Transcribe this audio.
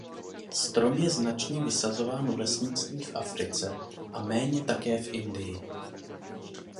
Strom je značně vysazován v lesnictví v Africe a méně také v Indii.